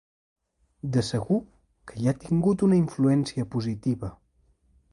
De segur que hi ha tingut una influència positiva.